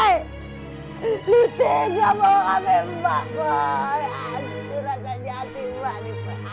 lu tidak mau ambil emak pak